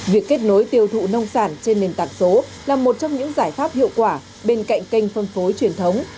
việc kết nối tiêu thụ nông sản trên nền tảng số là một trong những giải pháp hiệu quả bên cạnh kênh phân phối truyền thống